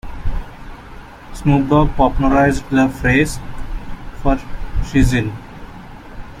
Snoop Dog popularized the phrase "For shizzle".